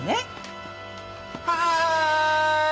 はい！